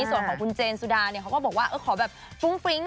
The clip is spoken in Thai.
ส่วนของคุณเจนสุดาเนี่ยเขาก็บอกว่าขอแบบฟุ้งฟริ้ง